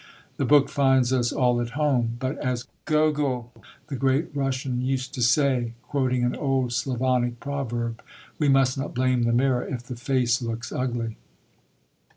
The book finds us all at home. But, as Gogol, the great Russian, used to say, quoting an old Slavonic proverb, "We must not blame the mirror if the face looks ugly."